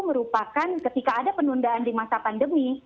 merupakan ketika ada penundaan di masa pandemi